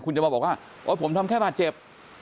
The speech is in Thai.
คุณจะมาบอกว่าโอ๊ยผมทำแค่บาดเจ็บ